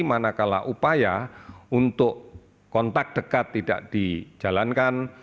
manakala upaya untuk kontak dekat tidak dijalankan